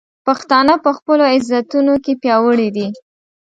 پښتانه په خپلو عزتونو کې پیاوړي دي.